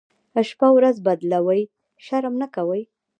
شپه ورځ بدلوي، شرم نه کوي.